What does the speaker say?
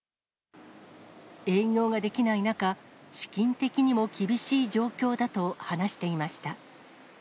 営業ができない中、資金的にも厳しい状況だと話していました。